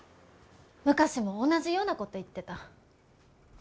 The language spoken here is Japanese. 昔も同じようなこと言ってた。